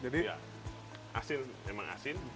asin memang asin